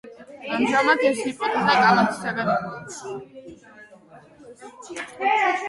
ამჟამად ეს ჰიპოთეზა კამათის საგანია.